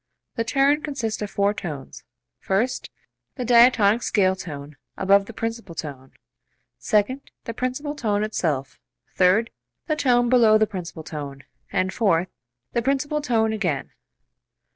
The turn consists of four tones; first, the diatonic scale tone above the principal tone; second, the principal tone itself; third, the tone below the principal tone; and fourth, the principal tone again.